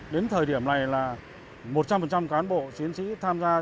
đến thời điểm này là một trăm linh cán bộ chiến sĩ tham gia